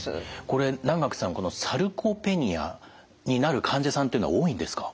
これ南學さんこのサルコペニアになる患者さんっていうのは多いんですか？